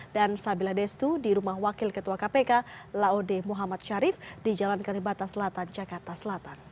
dan sabila destu di rumah wakil ketua kpk laode muhammad syarif di jalan kalibata selatan jakarta selatan